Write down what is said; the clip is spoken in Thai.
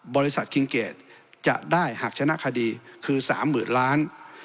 บริษัทคิงเกจจะได้หักชนะคดีคือ๓๐๐๐๐๐๐๐บาท